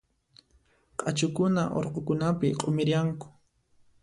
Q'achukuna urqukunapi q'umirianku.